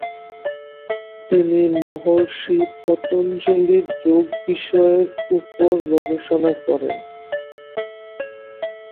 তিনি 'মহর্ষি পতঞ্জলি’র যোগ বিষয়ের উপর গবেষণা করেন।